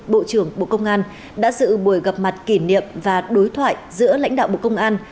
bộ trưởng bộ công an đã dự buổi gặp mặt kỷ niệm và đối thoại giữa lãnh đạo bộ công an